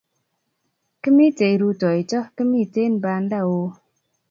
Kimite rutoito, kimitei banda o